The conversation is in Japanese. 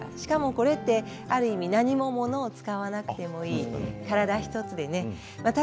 これは、ある意味、何も物を使わなくていい体１つで楽。